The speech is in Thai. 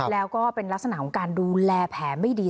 แล้วก็เป็นลักษณะของการดูแลแผลไม่ดี